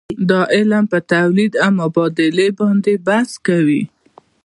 دا علم په تولید او مبادلې باندې بحث کوي.